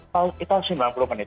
kalau kita sembilan puluh menit